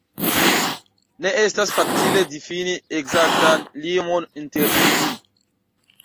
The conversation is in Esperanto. Ne estas facile difini ekzaktan limon inter ili.